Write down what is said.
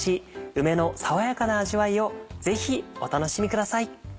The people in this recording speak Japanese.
梅の爽やかな味わいをぜひお楽しみください。